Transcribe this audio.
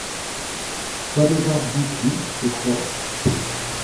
Pas de barbe du tout, je crois.